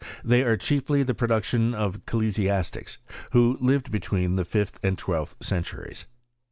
They are chiefly the production of ecclesiastics, who lived between the fifth and twelfth centuries.